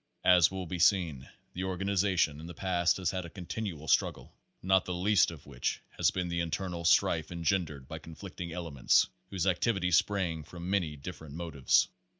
As will be seen, the organization in the past has had a continual struggle, not the least of which has been the internal strife engendered by conflicting elements whose activity sprang from many different motives.